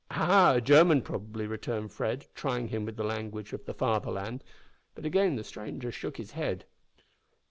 "Ah! a German, probably," returned Fred, trying him with the language of the Fatherland; but again the stranger shook his head.